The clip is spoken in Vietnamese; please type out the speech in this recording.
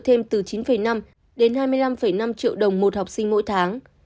trường đã kêu gọi phụ huynh hỗ trợ thêm từ chín năm đến hai mươi năm năm triệu đồng một học sinh mỗi tháng